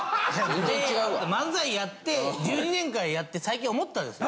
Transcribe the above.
漫才やって１２年間やって最近思ったんですよ。